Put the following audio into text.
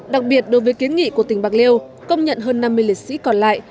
đặc biệt đối với kiến nghị của tỉnh bạc liêu công nhận hơn năm mươi liệt sĩ còn lại